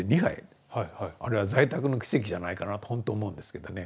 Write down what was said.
あれは在宅の奇跡じゃないかなとほんと思うんですけどね。